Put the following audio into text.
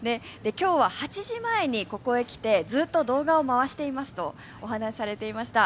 今日は８時前に、ここに来てずっと動画を回していますとお話しされていました。